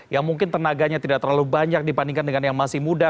yang mungkin tenaganya tidak terlalu banyak dibandingkan dengan yang masih muda